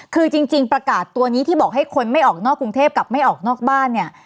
คือจริงประกาศตัวนี้ที่บอกให้คนไม่ออกนอกกรุงเทพกับไม่ออกนอกบ้านเนี่ย